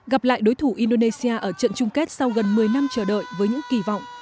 gặp lại đối thủ indonesia ở trận chung kết sau gần một mươi năm chờ đợi với những kỳ vọng